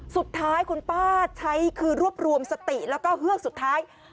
สุดท้ายคุณป้าใช้คือรวบรวมสติแล้วก็เฮือกสุดท้าย